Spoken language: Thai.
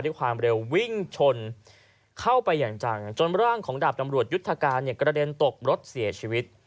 ด้วยความเร็ววิ่งชนเข้าไปอย่างจังจนร่างของดาบตำรวจยุทธการเนี่ยกระเด็นตกรถเสียชีวิต